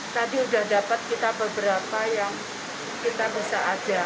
tadi udah dapet kita beberapa yang kita bisa ada